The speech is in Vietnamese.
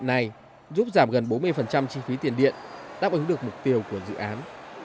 này giúp giảm gần bốn mươi chi phí tiền điện đáp ứng được mục tiêu của dự án